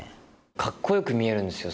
かっこよく見えるんですよ